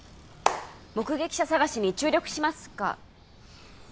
目撃者捜しに注力しますか？